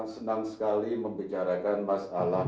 senang sekali membicarakan masalah